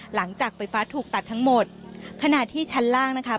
หลังจากไฟฟ้าถูกตัดทั้งหมดขณะที่ชั้นล่างนะคะ